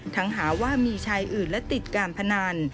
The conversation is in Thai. หาว่ามีชายอื่นและติดการพนัน